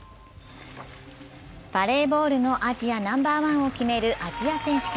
バレーボールのアジアナンバーワンを決めるアジア選手権。